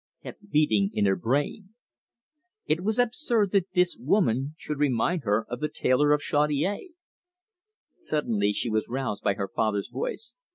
kept beating in her brain. It was absurd that this woman should remind her of the tailor of Chaudiere. Suddenly she was roused by her father's voice.